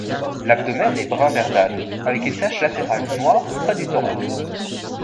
L'abdomen est brun-verdâtre, avec une tache latérale noire près du thorax.